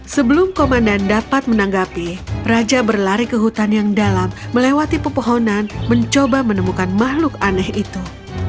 sebelum komandan dapat menanggapi raja berlari ke hutan yang dalam melewati pepohonan mencoba menemukan makhluk aneh itu